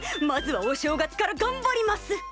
まずはお正月からがんばります！